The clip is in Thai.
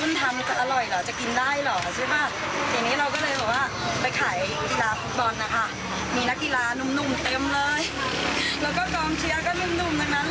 แล้วก็เออมันใส่แล้วมันก็ดูดีนะ